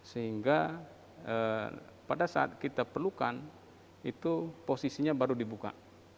sehingga pada saat kita perlukan itu posisinya baru dibuka